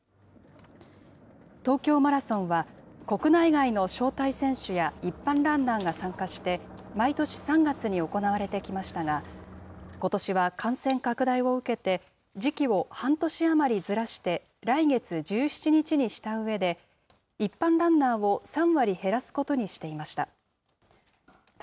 東京マラソンは、国内外の招待選手や、一般ランナーが参加して、毎年３月に行われてきましたが、ことしは感染拡大を受けて時期を半年余りずらして来月１７日にしたうえで、一般ランナーを３割減らすことにしていました。